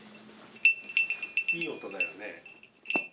いい音だよね。